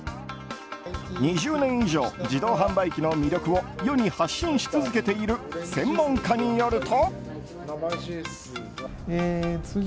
２０年以上、自動販売機の魅力を世に発信し続けている専門家によると。